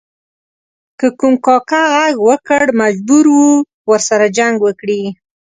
که کوم کاکه ږغ وکړ مجبور و ورسره جنګ وکړي.